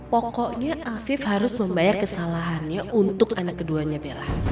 pokoknya afif harus membayar kesalahannya untuk anak keduanya bella